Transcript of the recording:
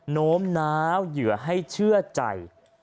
โน้มน้าวเหยื่อให้เชื่อใจ